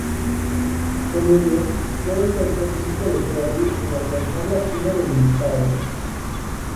Con ello, fue el tercer disco de Perry en alcanzar la cima del listado.